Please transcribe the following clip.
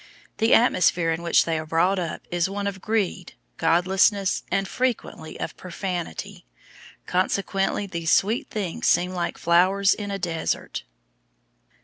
The atmosphere in which they are brought up is one of greed, godlessness, and frequently of profanity. Consequently these sweet things seem like flowers in a desert.